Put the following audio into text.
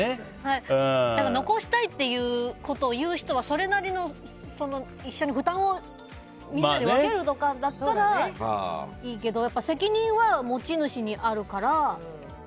だから残したいっていうことを言う人はそれなりの一緒に負担をみんなで分けるとかだったらいいけど責任は持ち主にあるから。